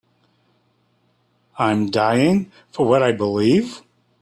I'm dying for what I believe.